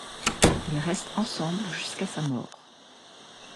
Ils restent ensemble jusqu'à sa mort.